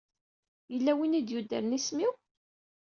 Yella win i d-yuddren isem-iw?